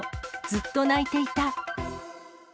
ずっと泣いていた。